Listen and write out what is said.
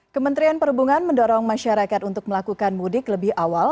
kementerian perhubungan mendorong masyarakat untuk melakukan mudik lebih awal